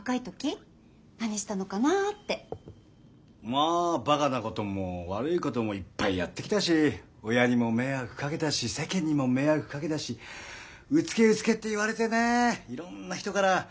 まあバカな事も悪い事もいっぱいやってきたし親にも迷惑かけたし世間にも迷惑かけたし「うつけうつけ」って言われてねいろんな人から。